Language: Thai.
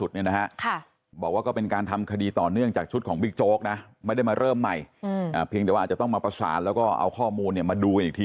ที่เวลามันหยุดไปนะครับก็คือตอน๑๐โมงกว่า